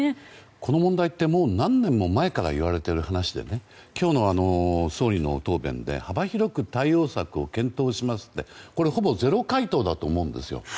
この問題ってもう何年も前からいわれている話で今日の総理の答弁で幅広く対応策を検討しますって、これはほぼゼロ回答だと思うんですよ。